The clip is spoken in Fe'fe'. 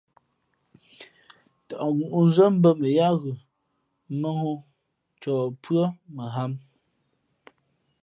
Tαʼ ngǔʼnzά mbᾱ mα yáá ghʉ̌ mάŋū ncɔ pʉ́ά ghǎm.